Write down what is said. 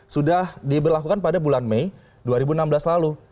sudah diberlakukan pada bulan mei dua ribu enam belas lalu